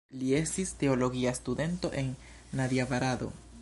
Li estis teologia studento en Nadjvarado.